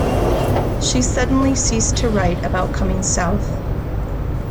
She suddenly ceased to write about coming South.